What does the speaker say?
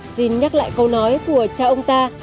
xin nhắc lại câu nói của cha ông ta